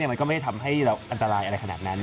มันก็ไม่ได้ทำให้เราอันตรายอะไรขนาดนั้น